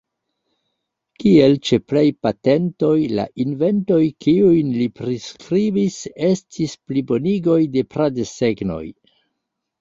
Kiel ĉe plej patentoj, la inventoj kiujn li priskribis estis plibonigoj de pra-desegnoj.